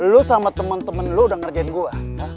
lo sama temen temen lo udah ngerjain gue